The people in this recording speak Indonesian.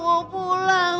minta mau pulang